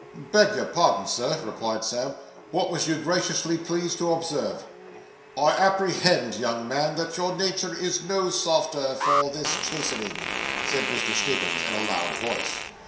'Beg your pardon, Sir,' replied Sam; 'wot wos you graciously pleased to hobserve?' 'I apprehend, young man, that your nature is no softer for this chastening,' said Mr. Stiggins, in a loud voice.